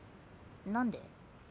何で？